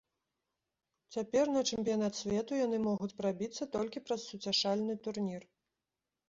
Цяпер на чэмпіянат свету яны могуць прабіцца толькі праз суцяшальны турнір.